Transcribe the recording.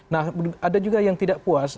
nah ada juga yang tidak puas